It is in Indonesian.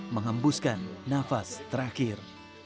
menghembuskan nafas terakhir